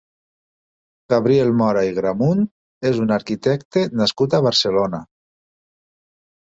Gabriel Mora i Gramunt és un arquitecte nascut a Barcelona.